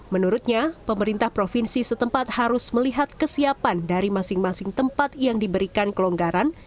menurutnya pemerintah provinsi setempat harus melihat kesiapan dari masing masing tempat yang diberikan kelonggaran